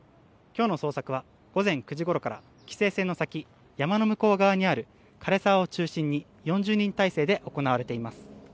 今日の捜索は午前９時ごろから規制線の先、山の向こう側にある枯れ沢を中心に４０人態勢で行われています。